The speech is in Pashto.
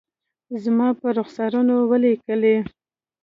زما پر رخسارونو ولیکلي